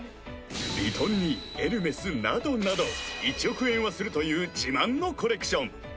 ヴィトンにエルメスなどなど１億円はするという自慢のコレクション